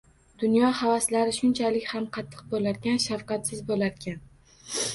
Dunyo havaslari shunchalik ham qattiq bo‘larkan, shafqatsiz bo‘larkan.